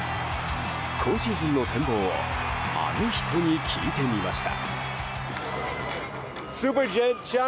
今シーズンの展望をあの人に聞いてみました。